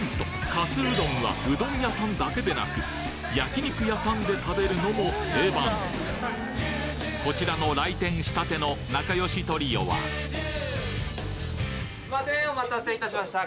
かすうどんはうどん屋さんだけでなく焼き肉屋さんで食べるのも定番こちらの来店したての仲良しトリオはすいません。